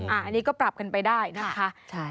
อันนี้ก็ปรับกันไปได้นะคะ